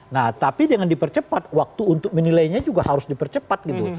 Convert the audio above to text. nah tapi dengan dipercepat waktu untuk menilainya juga harus dipercepat gitu